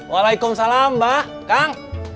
waalaikumsalam mbah kang